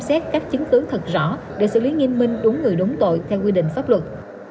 xét các chứng tướng thật rõ để xử lý nghiêm minh đúng người đúng tội theo quy định pháp luật